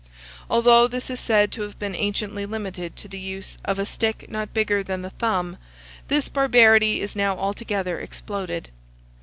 Although this is said to have been anciently limited to the use of "a stick not bigger than the thumb," this barbarity is now altogether exploded.